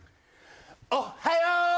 おっはよー！